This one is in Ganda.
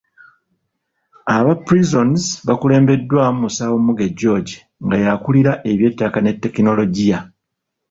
Aba Prisons bakulembeddwamu Musawo Muge George, nga y'akulira ebyettaka ne tekinologiya.